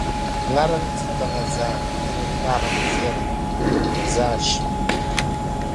ŋariŋ titaŋa zaa mini ŋariŋ viɛla zaa shim.